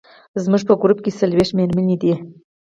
زموږ په ګروپ کې څلوېښت مېرمنې دي.